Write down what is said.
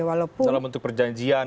salah untuk perjanjian